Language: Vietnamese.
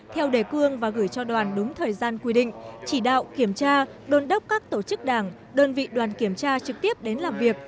theo đề cương và gửi cho đoàn đúng thời gian quy định chỉ đạo kiểm tra đôn đốc các tổ chức đảng đơn vị đoàn kiểm tra trực tiếp đến làm việc